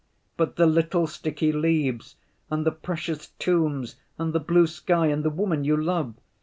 "But the little sticky leaves, and the precious tombs, and the blue sky, and the woman you love!